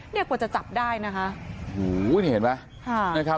นี่กว่าจะจับได้นะคะ